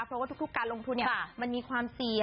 เพราะว่าทุกการลงทุนมันมีความเสี่ยง